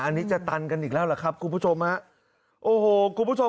อันนี้จะตันกันอีกแล้วล่ะครับคุณผู้ชมฮะโอ้โหคุณผู้ชม